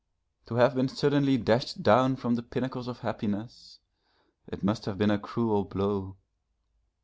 To have been suddenly dashed down from the pinnacles of happiness, it must have been a cruel blow.